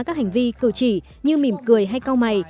các hành vi cử chỉ như mỉm cười hay câu mày